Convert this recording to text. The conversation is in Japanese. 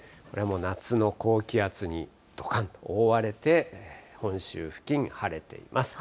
夏の高気圧にどかんと覆われて、本州付近、晴れています。